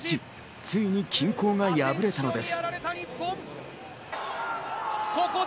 ついに均衡が破れたのです。